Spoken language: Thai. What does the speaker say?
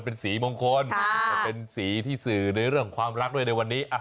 เป็นสีมงคลมันเป็นสีที่สื่อในเรื่องความรักด้วยในวันนี้